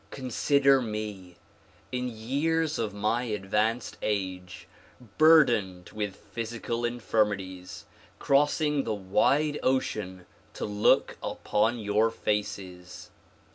Consider me — in years of my advanced age, burdened with phj'sical infirmities — crossing the wide ocean to look upon your faces.